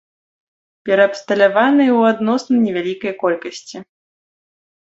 Пераабсталяваныя ў адносна невялікай колькасці.